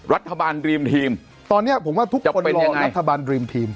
รัฐบาลรีมทีมตอนนี้ผมว่าทุกคนไปเรียนรัฐบาลรีมทีม